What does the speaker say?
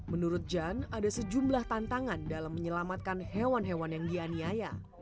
menurut jan ada sejumlah tantangan dalam menyelamatkan hewan hewan yang dianiaya